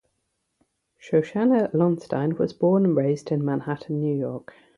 Shoshanna Lonstein was born and raised in Manhattan, New York.